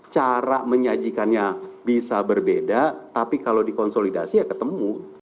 cara menyajikannya bisa berbeda tapi kalau dikonsolidasi ya ketemu